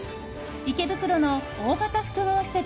池袋の大型複合施設